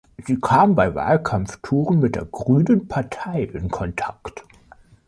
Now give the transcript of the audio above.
Sie kam bei Wahlkampftouren mit der grünen Partei in Kontakt.